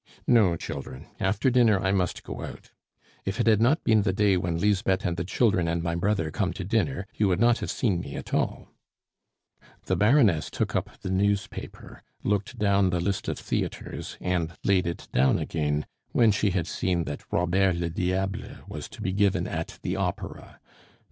"No, children. After dinner I must go out. If it had not been the day when Lisbeth and the children and my brother come to dinner, you would not have seen me at all." The Baroness took up the newspaper, looked down the list of theatres, and laid it down again when she had seen that Robert le Diable was to be given at the Opera.